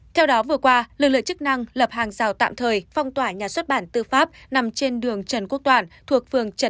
theo đó vừa qua lực lượng chức năng lập hàng rào tạm thời phong tỏa nhà xuất bản tư pháp nằm trên đường trần quốc toàn